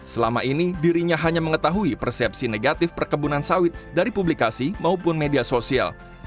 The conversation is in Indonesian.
selama ini dirinya hanya mengetahui persepsi negatif perkebunan sawit dari publikasi maupun media sosial